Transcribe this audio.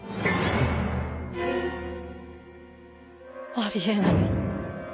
あり得ない。